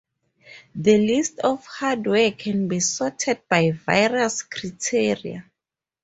The list of hardware can be sorted by various criteria.